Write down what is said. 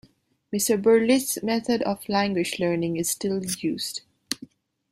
Mr. Berlitz's method of language learning is still used.